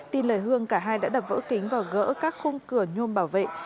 tin lời hương cả hai đã đập vỡ kính và gỡ các khung cửa nhôm bảo vệ